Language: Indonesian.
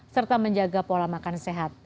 serta menjaga pola makan sehat